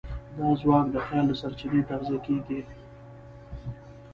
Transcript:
دا ځواک د خیال له سرچینې تغذیه کېږي.